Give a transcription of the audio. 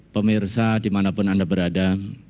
pemirsa dimanapun anda berada